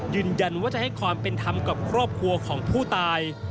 ยืนยันว่าจะให้ความเป็นธรรมกับครอบครัวของผู้ตาย